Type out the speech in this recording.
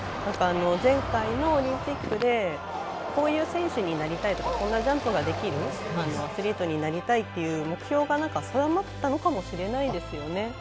前回のオリンピックでこういう選手になりたいとかこんなジャンプができるアスリートになりたいという目標が定まったのかもしれません。